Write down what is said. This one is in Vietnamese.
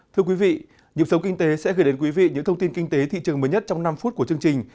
thưa quý vị nhiệm sống kinh tế sẽ gửi đến quý vị những thông tin kinh tế thị trường mới nhất trong năm phút của chương trình